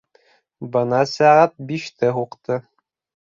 Бына сәғәт биште һуҡты.